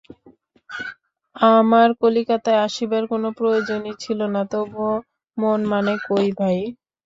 আমার কলিকাতায় আসিবার কোনো প্রয়োজনই ছিল না, তবু মন মানে কই ভাই।